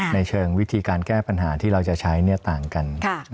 ในเชิงวิธีการแก้ปัญหาที่เราจะใช้ต่างกัน